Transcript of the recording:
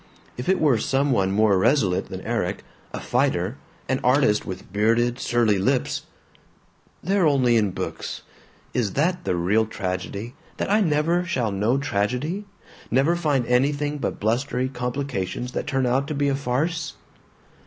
If it were some one more resolute than Erik, a fighter, an artist with bearded surly lips They're only in books. Is that the real tragedy, that I never shall know tragedy, never find anything but blustery complications that turn out to be a farce?